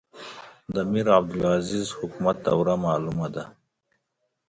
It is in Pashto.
د میرعبدالعزیز حکومت دوره معلومه ده.